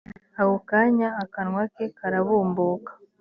ako kanya akanwa ke karabumbuka